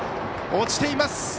落ちています。